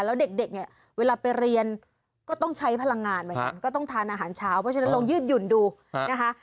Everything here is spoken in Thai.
แล้วเด็กเนี่ยเวลาไปเรียนก็ต้องใช้พลังงานเหมือนกันก็ต้องทานอาหารเช้าเพราะฉะนั้นลองยืดหยุ่นดูนะคะ